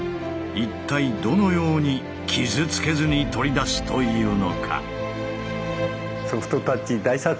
一体どのように傷つけずに取り出すというのか？